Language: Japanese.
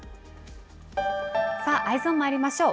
さあ、Ｅｙｅｓｏｎまいりましょう。